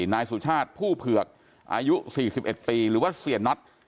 นายสุชาติผู้เผือกอายุ๔๑ปีหรือว่าเสียน็อต